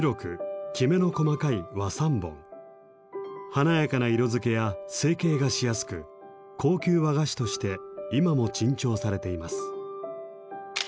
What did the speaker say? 華やかな色づけや成形がしやすく高級和菓子として今も珍重されています。